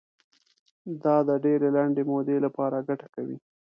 دا د ډېرې لنډې مودې لپاره ګټه کوي.